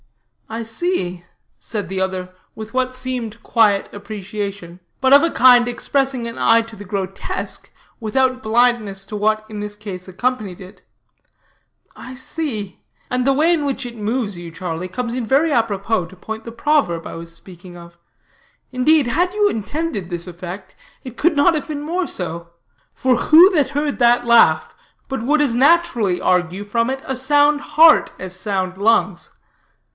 "I see," said the other, with what seemed quiet appreciation, but of a kind expressing an eye to the grotesque, without blindness to what in this case accompanied it, "I see; and the way in which it moves you, Charlie, comes in very apropos to point the proverb I was speaking of. Indeed, had you intended this effect, it could not have been more so. For who that heard that laugh, but would as naturally argue from it a sound heart as sound lungs?